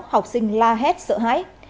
học sinh la hét sợ hãi